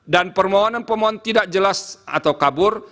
dan permohonan pemohon tidak jelas atau kabur